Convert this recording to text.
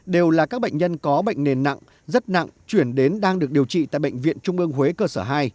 đều là các bệnh nhân có bệnh nền nặng rất nặng chuyển đến đang được điều trị tại bệnh viện trung ương huế cơ sở hai